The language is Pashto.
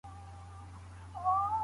آی سي یو کي کوم ناروغان وي؟